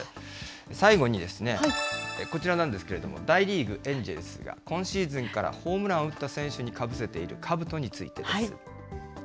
最後に、こちらなんですけれども、大リーグ・エンジェルスが、今シーズンからホームランを打った選手にかぶせているかぶとについてです。